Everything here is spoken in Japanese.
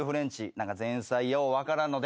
何か前菜よう分からんの出てね。